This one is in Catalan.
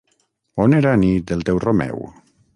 On era anit el teu Romeu?